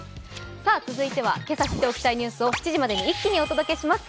続いては今朝知っておきたいニュースを一気にお届けします。